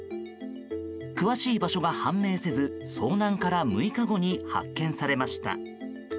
詳しい場所が判明せず、遭難から６日後に発見されました。